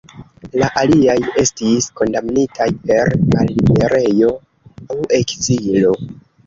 La aliaj estis kondamnitaj per malliberejo aŭ ekzilo.